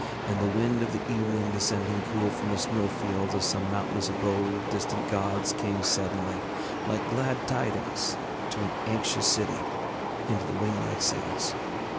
And the wind of the evening descending cool from the snowfields of some mountainous abode of distant gods came suddenly, like glad tidings to an anxious city, into the wing like sails.